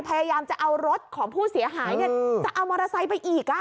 พยายามจะเอารถของผู้เสียหายจะเอามอเตอร์ไซค์ไปอีก